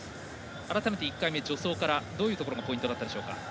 改めて１回目、助走からどういうところがポイントだったでしょうか。